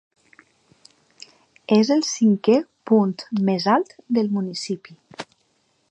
És el cinquè punt més alt del municipi.